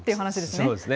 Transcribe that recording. そうですね。